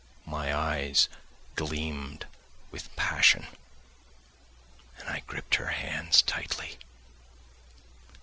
My eyes gleamed with passion, and I gripped her hands tightly.